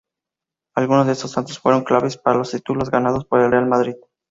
Algunos de estos tantos fueron claves para los títulos ganados por el Real Madrid.